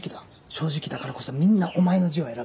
正直だからこそみんなお前の字を選ぶ。